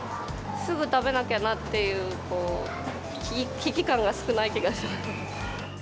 すぐ食べなきゃなっていう危機感が少ない気がします。